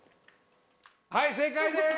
はい正解です！